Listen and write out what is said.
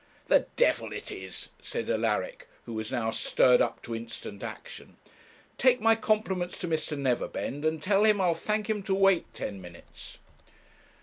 'The devil it is!' said Alaric, who was now stirred up to instant action. 'Take my compliments to Mr. Neverbend, and tell him I'll thank him to wait ten minutes.'